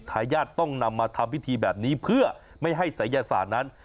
ทายาทต้องนำมาทำพิธีแบบนี้เพื่อไม่ให้ศัยศาสตร์นั้น